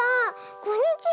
こんにちは。